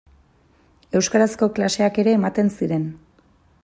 Euskarazko klaseak ere ematen ziren.